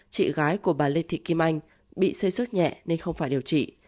chị gái của bà lê thị kim anh bị xây sức nhẹ nên không phải điều trị